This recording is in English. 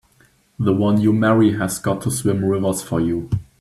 The one you marry has got to swim rivers for you!